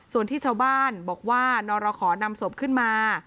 ส่วนที่ชาวบ้านบอกว่านรขอนำศพขึ้นมา